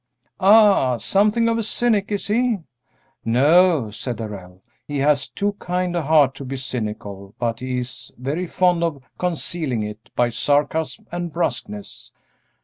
"Ah, something of a cynic, is he?" "No," said Darrell; "he has too kind a heart to be cynical, but he is very fond of concealing it by sarcasm and brusqueness."